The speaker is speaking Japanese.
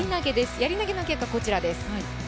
やり投の結果、こちらです。